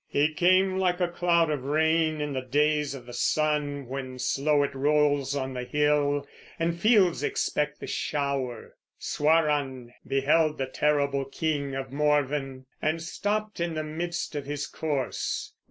He came like a cloud of rain in the days of the sun, when slow it rolls on the hill, and fields expect the shower. Swaran beheld the terrible king of Morven, and stopped in the midst of his course.